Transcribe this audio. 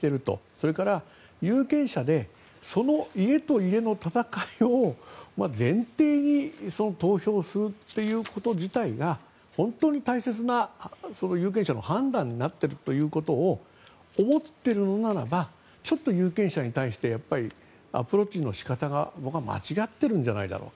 それから有権者でその家と家の戦いを前提に投票するということ自体が本当に大切な有権者の判断になってるということを思っているのならばちょっと有権者に対してアプローチの仕方が間違っているのではないかと。